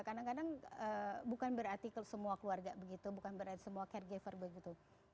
kadang kadang bukan berarti semua keluarga begitu bukan berarti semua caregiver begitu